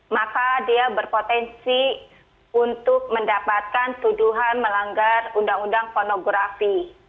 maka dia berpotensi untuk mendapatkan tuduhan melanggar undang undang pornografi